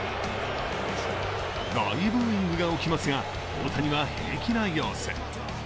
大ブーイングが起きますが大谷は平気な様子。